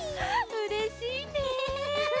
うれしいね。